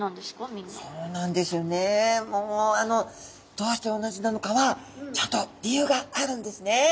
どうして同じなのかはちゃんと理由があるんですね。